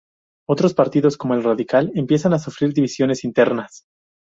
Otros partidos, como el radical, empiezan a sufrir divisiones internas.